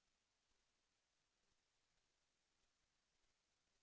แสวได้ไงของเราก็เชียนนักอยู่ค่ะเป็นผู้ร่วมงานที่ดีมาก